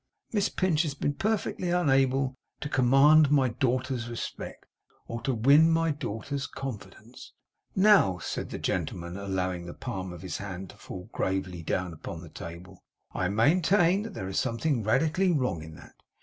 Miss Pinch has been perfectly unable to command my daughter's respect, or to win my daughter's confidence. Now,' said the gentleman, allowing the palm of his hand to fall gravely down upon the table: 'I maintain that there is something radically wrong in that!